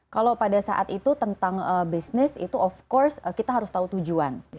kalau pada saat itu tentang bisnis itu of course kita harus tahu tujuan